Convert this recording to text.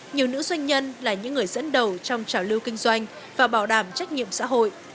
nhiều nữ doanh nhân là những người dẫn đầu trong trào lưu kinh doanh và bảo đảm trách nhiệm xã hội